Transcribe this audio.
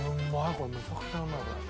これめちゃくちゃうまいこれ。